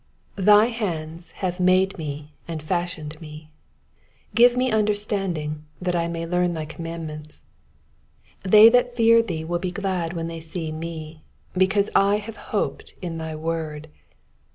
THY hands have made me and fashioned me : give me under standing, that I may learn thy commandments. 74 They that fear thee will be glad when they see me ; because I have hoped in thy word.